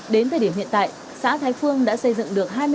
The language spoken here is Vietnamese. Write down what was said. đến thời điểm hiện tại xã thái phương đã xây dựng được